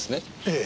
ええ。